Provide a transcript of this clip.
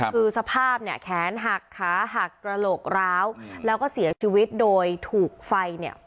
คือสภาพเนี่ยแขนหักขาหักกระโหลกร้าวแล้วก็เสียชีวิตโดยถูกไฟเนี่ย